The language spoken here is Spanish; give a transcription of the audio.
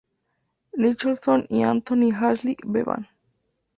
Nicholson y Anthony Ashley Bevan.